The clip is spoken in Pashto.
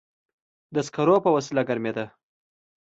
د سکرو په وسیله ګرمېده.